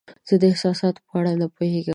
زه د احساساتو په اړه نه پوهیږم.